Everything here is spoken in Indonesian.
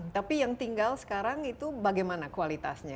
tapi yang tinggal sekarang itu bagaimana kualitasnya